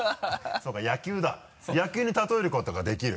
そうか野球だ野球に例えることができる。